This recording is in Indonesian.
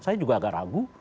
saya juga agak ragu